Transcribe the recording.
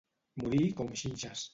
Morir com xinxes.